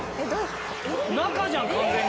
中じゃん完全に。